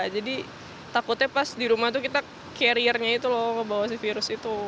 jadi takutnya pas di rumah kita carriernya itu ngebawa si virus itu